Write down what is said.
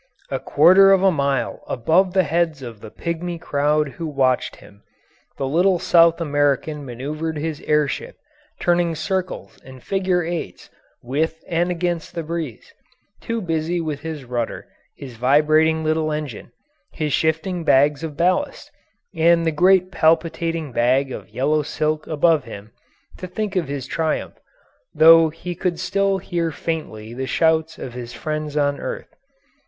A quarter of a mile above the heads of the pygmy crowd who watched him the little South American maneuvered his air ship, turning circles and figure eights with and against the breeze, too busy with his rudder, his vibrating little engine, his shifting bags of ballast, and the great palpitating bag of yellow silk above him, to think of his triumph, though he could still hear faintly the shouts of his friends on earth.